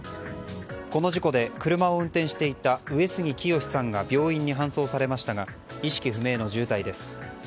この事故で車を運転していた植杉清さんが病院に搬送されましたが意識不明の重体です。